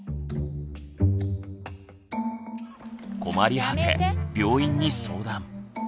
困り果て病院に相談。